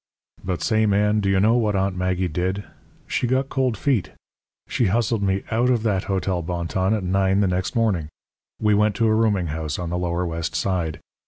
"But say, Man, do you know what Aunt Maggie did? She got cold feet! She hustled me out of that Hotel Bonton at nine the next morning. We went to a rooming house on the lower West Side.